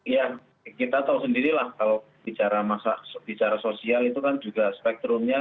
ya kita tahu sendirilah kalau bicara sosial itu kan juga spektrumnya